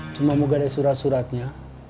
cuma mau gada surat suratnya